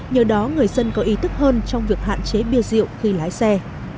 nhờ đó người dân có ý thức hơn trong việc hạn chế bia rượu khi lái xe